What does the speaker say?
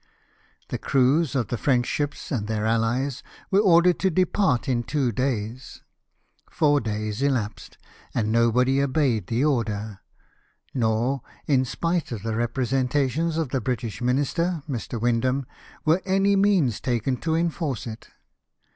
The crews of the French ships and their allies were ordered to depart in two days. Four days elapsed, and nobody obeyed the order ; nor, in spite of the representations of the British minister, ^Ir. AVindham, were any means taken to enforce it.